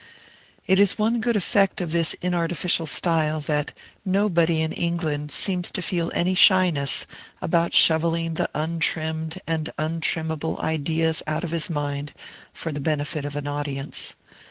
It is one good effect of this inartificial style, that nobody in England seems to feel any shyness about shovelling the untrimmed and untrimmable ideas out of his mind for the benefit of an audience.